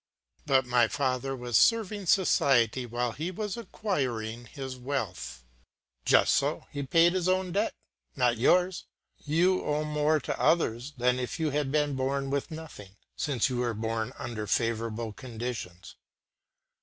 "But my father was serving society while he was acquiring his wealth." Just so; he paid his own debt, not yours. You owe more to others than if you had been born with nothing, since you were born under favourable conditions.